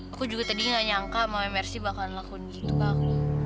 aku juga tadi gak nyangka mama mercy bakalan lakuin gitu ke aku